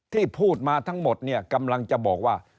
ที่พูดมาทั้งหมดเนี่ยกำลังจะบอกว่า